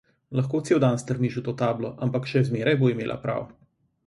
Lahko cel dan strmiš v to tablo, ampak še zmeraj bo imela prav.